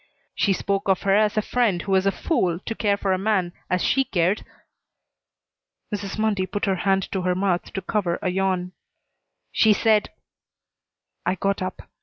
"She spoke of her as a friend who was a fool to care for a man as she cared." Mrs. Mundy put her hand to her mouth to cover a yawn. "She said " I got up.